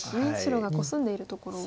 白がコスんでいるところ。